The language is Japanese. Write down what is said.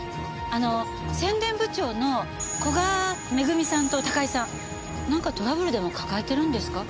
あの宣伝部長の古賀めぐみさんと高井さんなんかトラブルでも抱えてるんですか？